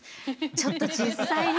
ちょっと実際にですね。